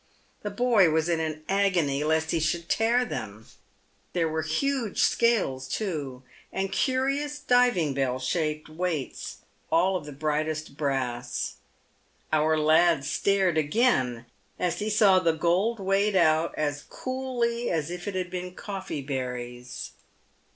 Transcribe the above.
The boy was in an agony lest he should tear them. There were huge scales, too, and curious diving bell shaped weights, all of the brightest brass. Our lad stared again, as he saw the gold weighed out as coolly as if it had been coffee berries.